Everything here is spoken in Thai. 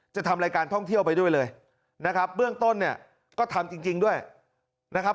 ทำรายการท่องเที่ยวไปด้วยเลยนะครับเบื้องต้นเนี่ยก็ทำจริงด้วยนะครับ